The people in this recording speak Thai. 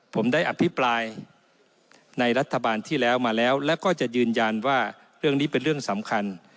ผมได้อภิปรายในรัฐบาลที่แล้วมาแล้วแล้วก็จะยืนยันว่าเรื่องนี้เป็นเรื่องสำคัญ